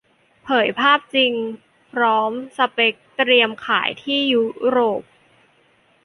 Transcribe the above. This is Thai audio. เผยภาพจริงพร้อมสเปกเตรียมขายที่ยุโรป